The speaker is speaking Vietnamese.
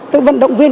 tôi vận động viên